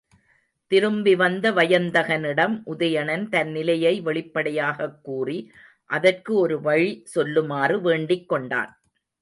திரும்பி வந்த வயந்தகனிடம் உதயணன் தன் நிலையை வெளிப்படையாகக் கூறி, அதற்கு ஒரு வழி சொல்லுமாறு வேண்டிக்கொண்டான்.